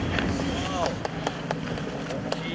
大きい！